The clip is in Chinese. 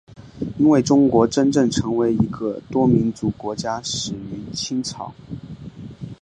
因为中国真正成为一个多民族国家始于清朝。